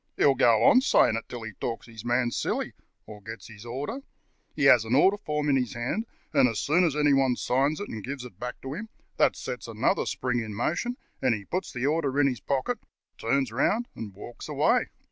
He'll go on saying it till he talks his man silly, or gets an order. He has an order form in his hand, and as soon as anyone signs it and gives it back to him, that sets another spring in motion, and he puts the order in his pocket, turns round, and walks away.